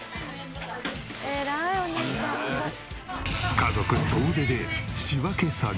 家族総出で仕分け作業。